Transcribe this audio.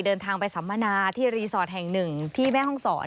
เดินทางไปสัมมนาที่รีสอร์ทแห่งหนึ่งที่แม่ห้องศร